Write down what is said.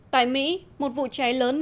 tại mỹ một vụ cháy lớn